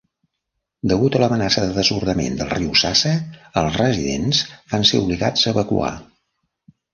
Degut a l'amenaça de desbordament del riu Zaza, els residents van ser obligats a evacuar.